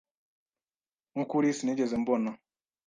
Nkukuri, sinigeze mbona.